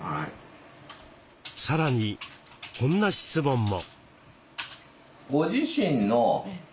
さらにこんな質問も。